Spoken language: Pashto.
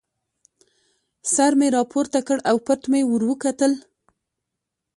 سر مې را پورته کړ او پټ مې ور وکتل.